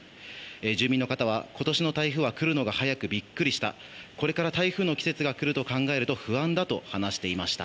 住民の方は今年の台風は来るのが早くビックリした、これから台風の季節が来ると考えると不安だと話していました。